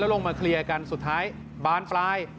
ลงมาเคลียร์กันสุดท้ายบานปลาย